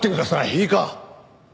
いいか？